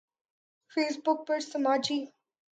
face بک پر سماجی